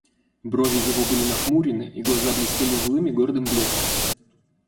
Брови его были нахмурены, и глаза блестели злым и гордым блеском.